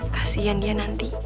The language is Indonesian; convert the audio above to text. kasian dia nanti